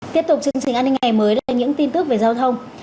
tiếp tục chương trình an ninh ngày mới là những tin tức về giao thông